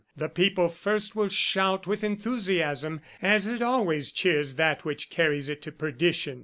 The people first will shout with enthusiasm, as it always cheers that which carries it to perdition.